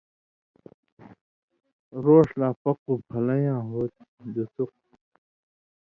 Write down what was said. روݜ لاپقُّو پھلَیں لا ہو تھی (دُسُق)؛